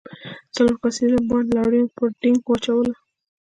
څلور کسیز بانډ لاریون پر دینګ واچوله.